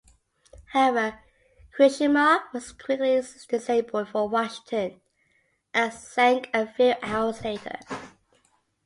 However, "Kirishima" was quickly disabled by "Washington" and sank a few hours later.